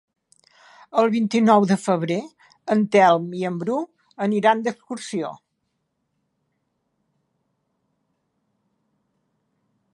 El vint-i-nou de febrer en Telm i en Bru aniran d'excursió.